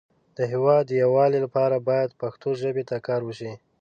د هیواد د یو والی لپاره باید پښتو ژبې ته کار وشی